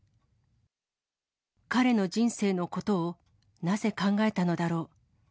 彼の人生のことをなぜ考えたのだろう。